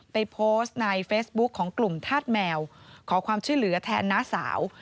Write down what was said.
ไปโพสต์ในเฟซบุ๊คของกลุ่มธาตุแมวขอความช่วยเหลือแทนน้าสาว